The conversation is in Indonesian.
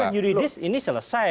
pasal yuridis ini selesai